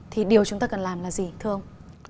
thì điều chúng ta cần làm là gì thưa ông